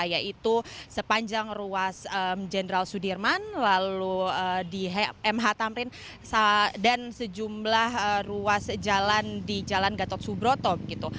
yaitu sepanjang ruas jenderal sudirman lalu di mh tamrin dan sejumlah ruas jalan di jalan gatot subroto gitu